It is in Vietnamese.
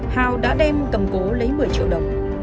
hào đã đem cầm cố lấy một mươi triệu đồng